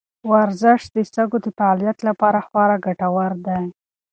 ورزش د سږو د فعالیت لپاره خورا ګټور دی.